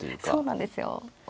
そうなんですよ。